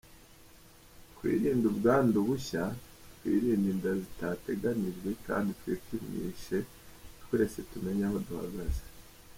Twirinde ubwandu bushya, twirinde inda zitateganijwe kandi twipimishe twese tumenye aho duhagaze.